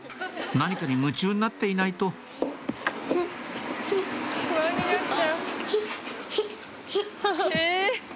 何かに夢中になっていないとヒッヒッヒッ。